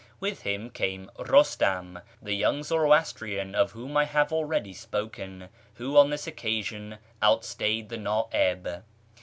With him came Eustam, the young Zoroastrian of whom I have already spoken, who, on this occasion, outstayed the Na'ib.